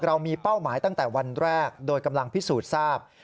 เรามีเป้าหมายตั้งแต่วันแรกโดยกำลังพิสูจน์ทราบ